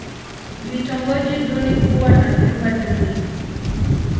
Vitongoji duni huwa na vyumba duni.